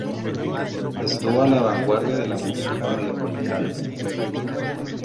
Estuvo a la vanguardia de la música medioambiental.